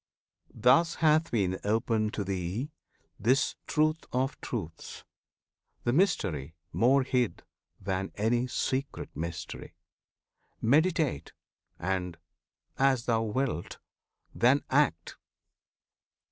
Thus hath been opened thee This Truth of Truths, the Mystery more hid Than any secret mystery. Meditate! And as thou wilt then act!